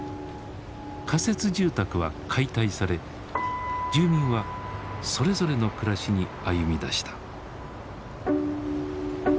仮設住宅は解体され住民はそれぞれの暮らしに歩みだした。